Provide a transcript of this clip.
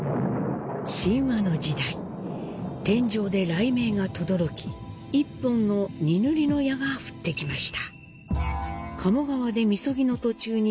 神話の時代、天上で雷鳴がとどろき１本の丹塗矢が降ってきました。